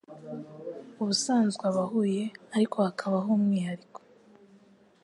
ubusanzwe aba ahuye ariko hakabaho umwihariko